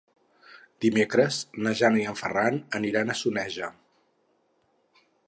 Dimecres na Jana i en Ferran aniran a Soneja.